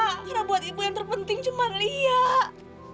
karena buat ibu yang terpenting cuman liat